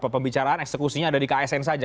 pembicaraan eksekusinya ada di ksn saja